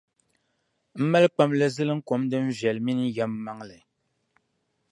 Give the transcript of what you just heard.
M mali kpamili ziliŋkom din viɛla mini yɛm maŋli.